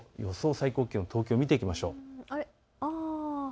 最高気温を東京、見ていきましょう。